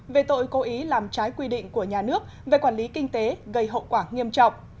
về tội cố ý làm trái quy định của nhà nước về quản lý kinh tế gây hậu quả nghiêm trọng